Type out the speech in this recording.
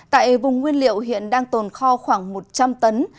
tại vùng nguyên liệu hiện đang tồn kho khoảng một trăm linh tấn